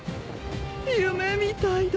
夢みたいだ。